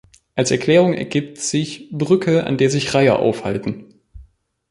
Als Erklärung ergibt sich "Brücke, an der sich Reiher aufhalten".